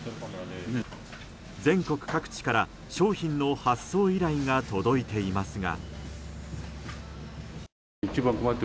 全国各地から商品の発送依頼が届いていますが。